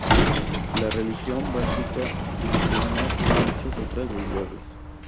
La religión báltica lituana tiene muchas otras deidades.